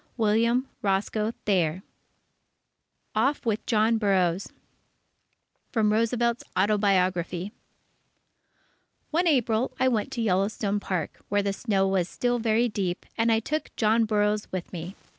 William Roscoe Thayer OFF WITH JOHN BURROUGHS From Roosevelt's Autobiography One April, I went to Yellowstone Park, when the snow was still very deep, and I took John Burroughs with me.